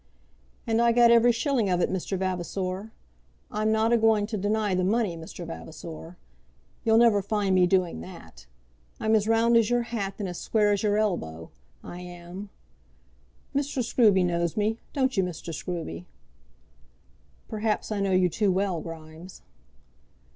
"And I got every shilling of it, Mr. Vavasor. I'm not a going to deny the money, Mr. Vavasor. You'll never find me doing that. I'm as round as your hat, and as square as your elbow, I am. Mr. Scruby knows me; don't you, Mr. Scruby?" "Perhaps I know you too well, Grimes."